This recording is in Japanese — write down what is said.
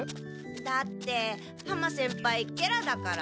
だって浜先輩ゲラだから。